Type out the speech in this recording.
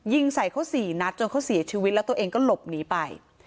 ยิงใส่เขา๔นัดจนเขาเสียชีวิตแล้วตัวเองก็หลบหนีไป